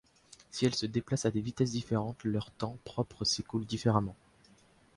Si elles se déplacent à des vitesses différentes, leur temps propre s'écoule différemment.